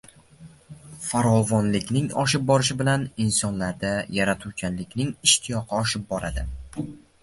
Farovonlikning oshib borishi bilan insonlarda yaratuvchanlik ishtiyoqi rivojlanib boradi